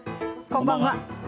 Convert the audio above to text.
こんばんは。